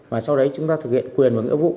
và sau đấy chúng ta thực hiện quyền và nghĩa vụ